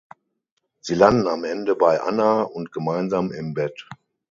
Sie landen am Ende bei Anna und gemeinsam im Bett.